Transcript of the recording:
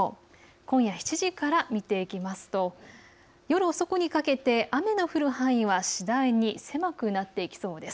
今夜７時から見ていきますと夜遅くにかけて雨の降る範囲は次第に狭くなっていきそうです。